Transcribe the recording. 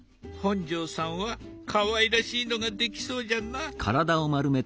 本上さんはかわいらしいのができそうじゃな。